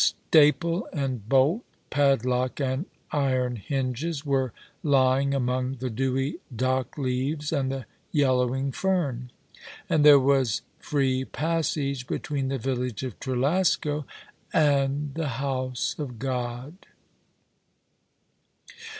Staple and bolt, padlock and iron hinges, were lying among the dewy dock leaves and the yellowing fern ; and there was free passage between the village of Trelasco and the House of God.